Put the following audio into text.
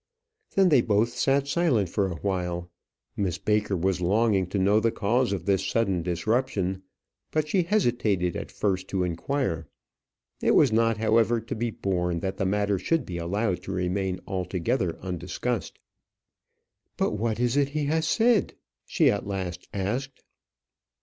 Then they both sat silent for awhile. Miss Baker was longing to know the cause of this sudden disruption, but she hesitated at first to inquire. It was not, however, to be borne that the matter should be allowed to remain altogether undiscussed. "But what is it he has said?" she at last asked.